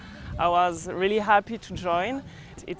saya sangat senang untuk bergabung